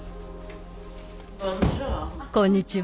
こんにちは。